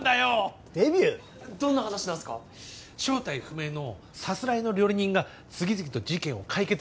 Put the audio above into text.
正体不明のさすらいの料理人が次々と事件を解決していくんだ。